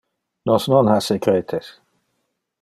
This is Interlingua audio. Nos non ha secretes.